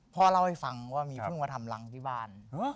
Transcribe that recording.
พ่อเล่าให้ฟังว่ามีพึ่งมาทำรังที่บ้าน